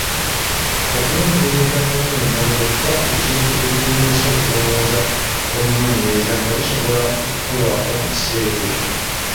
Okunoonyereza nnannyinyonnyolero kufa ku bizibu ebikeeyereza okulowooza kw’omunoonyereza nga bisobola kukolwako mu kiseera ekyo.